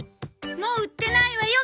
もう売ってないわよ